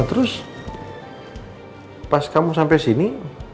terus pas kamu sampai sini